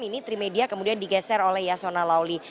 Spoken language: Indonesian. ini trimedia kemudian digeser oleh yasona lawli